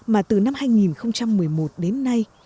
mà từ năm hai nghìn một mươi một đến nay